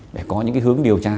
để có những hướng điều tra